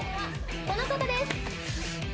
この方です。